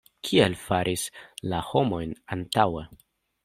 Kiel faris la homojn antaŭe?